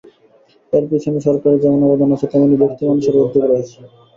এর পেছনে সরকারের যেমন অবদান আছে, তেমনি ব্যক্তি মানুষেরও উদ্যোগ রয়েছে।